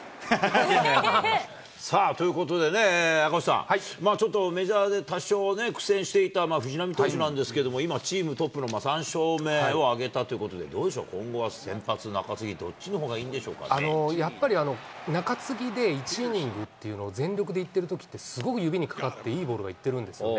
さあ、ということでね、赤星さん、まあちょっとメジャーで多少ね、苦戦していた藤浪投手なんですけど、今はチームトップの３勝目を挙げたということで、どうでしょう、今後は先発、中継ぎ、どっちやっぱり、中継ぎで１イニングっていうのを全力でいってるときって、すごく指にかかって、いいボールがいってるんですよね。